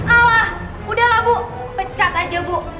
allah udah lah bu pecat aja bu